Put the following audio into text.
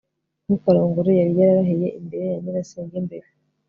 ntukarongore, yari yararahiye imbere ya nyirasenge mbere